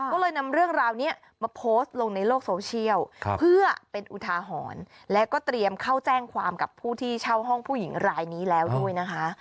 ก็เลยนำเรื่องราวนี้มาโพสต์ลงในโลกโซเชียลเพื่อเป็นอุทาหรณ์แล้วก็เตรียมเข้าแจ้งความกับผู้ที่เช่าห้องผู้หญิงรายนี้แล้วด้วยนะคะ